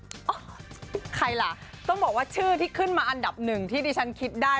ใครล่ะต้องบอกว่าชื่อที่ขึ้นมาอันดับหนึ่งที่ดิฉันคิดได้